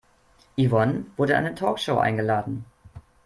Yvonne wurde in eine Talkshow eingeladen.